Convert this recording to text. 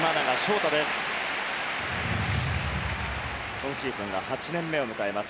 今シーズンは８年目を迎えます